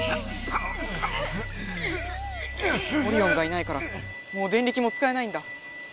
オリオンがいないからもうデンリキもつかえないんだ。